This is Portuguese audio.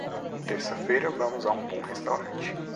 Terça-feira vamos a um bom restaurante.